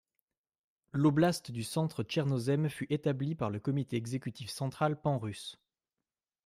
L'oblast du Centre-Tchernozem fut établie le par le Comité exécutif central panrusse.